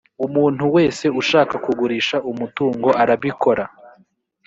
umuntu wese ushaka kugurisha umutungo arabikora